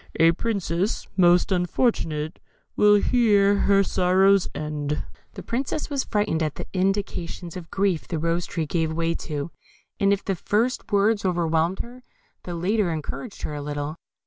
A Princess, most unfortunate, Will here her sorrows end. The Princess was frightened at the indications of grief the Rose tree gave way to, and if the first words overwhelmed her, the latter encouraged her a little.